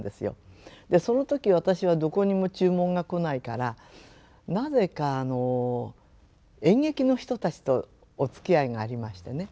その時私はどこにも注文が来ないからなぜかあの演劇の人たちとおつきあいがありましてね。